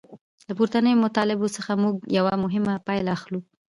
له پورتنیو مطالبو څخه موږ یوه مهمه پایله اخلو.